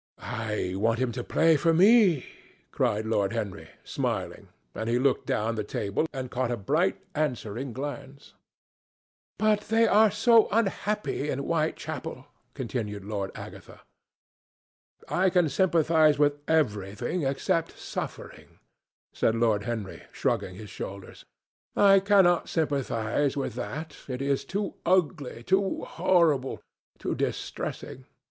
"I want him to play to me," cried Lord Henry, smiling, and he looked down the table and caught a bright answering glance. "But they are so unhappy in Whitechapel," continued Lady Agatha. "I can sympathize with everything except suffering," said Lord Henry, shrugging his shoulders. "I cannot sympathize with that. It is too ugly, too horrible, too distressing.